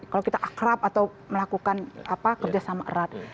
kalau kita akrab atau melakukan kerja sama erat